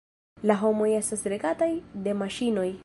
La homoj estas regataj de maŝinoj.